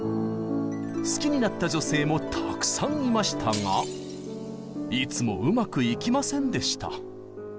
好きになった女性もたくさんいましたがいつもうまくいきませんでした。